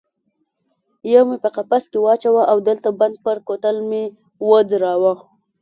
یو مې په قفس کې واچاوه او د لته بند پر کوتل مې وځړاوه.